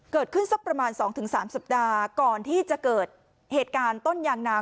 เกิดขึ้นสักประมาณสองถึงสามสัปดาห์ก่อนที่จะเกิดเหตุการณ์ต้นยางนา